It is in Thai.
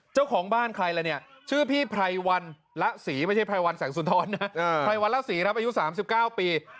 เจ้าของบ้านใครล่ะเนี่ยชื่อพี่ไพรวันละศรีไม่ใช่ไพรวันแสงสุนทรนะไพรวันละศรีครับอายุ๓๙ปี